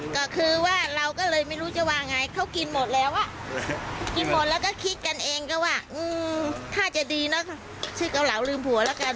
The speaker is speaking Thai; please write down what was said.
ก็คือว่าเราก็เลยไม่รู้จะว่าไงเขากินหมดแล้วอ่ะกินหมดแล้วก็คิดกันเองก็ว่าถ้าจะดีเนอะชื่อเกาเหลาลืมผัวแล้วกัน